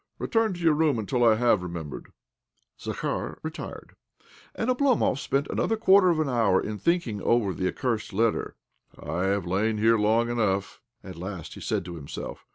Return to your room until I have remembered." Zakhar retired, and Oblomov spent another quarter of an hour in thinking over the accursed letter. " I have lain here long enough," at last he said to himself.